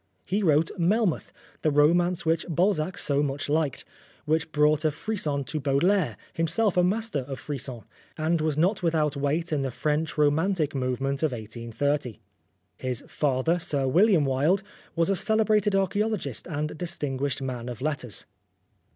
He wrote Melmoth, the romance which Balzac so much liked, which brought a frisson to Baudelaire, him self a master of frissons, and was not without 259 Oscar Wilde weight in the French romantic movement of 1830. His father, Sir William Wilde, was a celebrated archaeologist and distinguished man of letters.